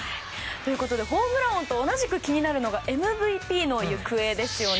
ホームラン王と同じく気になるのがＭＶＰの行方ですよね。